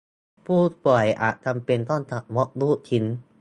ผู้ป่วยอาจจำเป็นต้องตัดมดลูกทิ้ง